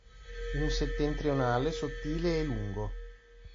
Un settentrionale sottile e lungo.